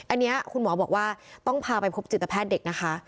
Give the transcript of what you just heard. อันนี้คุณหมอบอกว่าต้องพาไปพบจิตแพทย์เด็กนะคะ